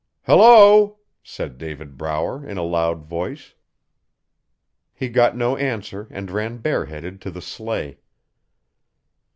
'Hello!' said David Brower in a loud voice. He got no answer and ran bareheaded to the sleigh.